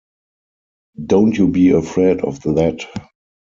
Don't you be afraid of that!